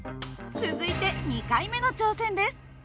続いて２回目の挑戦です。